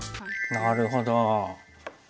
なるほど。